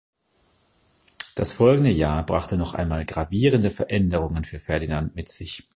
Das folgende Jahr brachte noch einmal gravierende Veränderungen für Ferdinand mit sich.